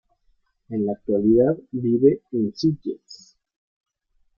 En la actualidad vive en Sitges.